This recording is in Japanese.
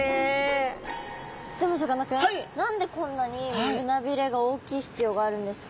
でもさかなクン何でこんなに胸鰭が大きい必要があるんですか？